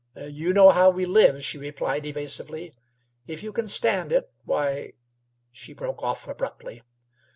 "You know how we live," she replied evasively. "If you can stand it, why " She broke off abruptly.